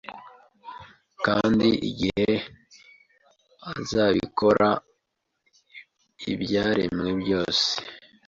kandi igihe azabikora ibyaremwe byose